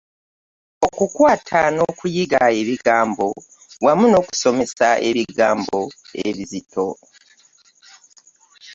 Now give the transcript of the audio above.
Okukwata n’okuyiga ebigambo, wamu n'okusomesa ebigambo ebizito.